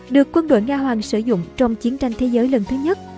được quân đội nga hoàng sử dụng trong chiến tranh thế giới lần thứ nhất